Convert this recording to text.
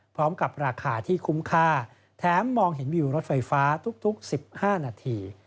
พร้อมกับราคาที่คุ้มค่าแถมมองเห็นวิวรถไฟฟ้าทุก๑๕นาที